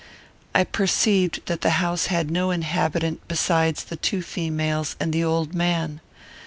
I perceived that the house had no inhabitant besides the two females and the old man.